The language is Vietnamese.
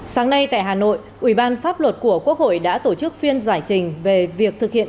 sáng nay tại hà nội ủy ban pháp luật của quốc hội đã tổ chức phiên giải trình về việc thực hiện